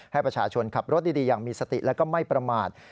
ให้ประชาชนขับรถดีอย่างมีสติและก็ไม่ประมาท